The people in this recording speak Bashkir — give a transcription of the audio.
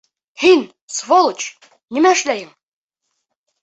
Һин, сволочь, нимә эшләйһең?